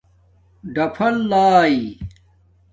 ڈَفَر لائئ